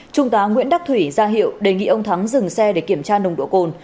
trung tá nguyễn đắc thủy ra hiệu đề nghị ông thắng dừng xe để kiểm tra nồng độ cồn